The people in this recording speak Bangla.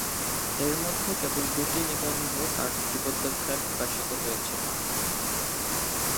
এর মধ্যে কেবল দুটি নিবন্ধ তার জীবদ্দশায় প্রকাশিত হয়েছিলো।